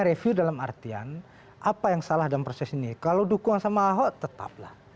review dalam artian apa yang salah dalam proses ini kalau dukung sama ahok tetaplah